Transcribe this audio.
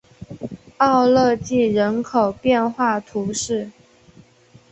奥勒济人口变化图示